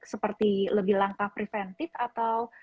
seperti lebih langkah preventif atau